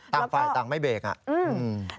ตั้งฝ่ายตั้งไม่เบรคอะหมึ่ง